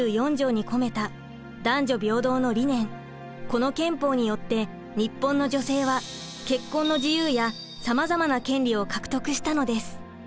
この憲法によって日本の女性は結婚の自由やさまざまな権利を獲得したのです。